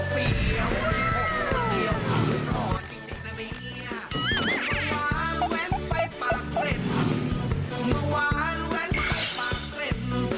มะวานแว่นไปปากเล่นมะวานแว่นไปปากเล่น